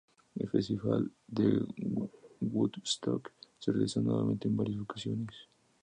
El Festival de Woodstock se realizó nuevamente en varias ocasiones.